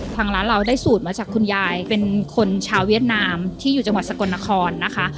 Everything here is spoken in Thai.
ทางร้านเราได้สูตรมาจากคุณยายเป็นคนชาวเวียดนามที่อยู่จังหวัดสกลนครนะคะ